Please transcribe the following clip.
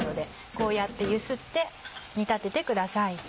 こうやって揺すって煮立ててください。